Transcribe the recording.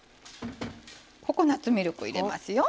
ココナツミルクを入れますよ。